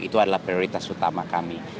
itu adalah prioritas utama kami